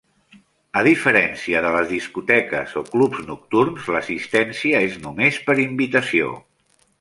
A diferència de les discoteques o clubs nocturns, l'assistència és només per invitació.